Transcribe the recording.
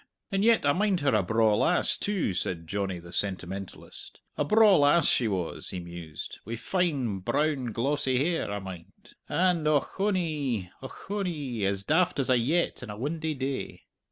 And yet I mind her a braw lass, too," said Johnny the sentimentalist, "a braw lass she was," he mused, "wi' fine, brown glossy hair, I mind, and ochonee! ochonee! as daft as a yett in a windy day.